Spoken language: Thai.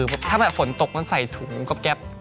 เอาละมีคู่ในที่รักมากพิเศษ